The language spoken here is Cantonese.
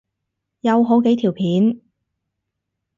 有好幾條片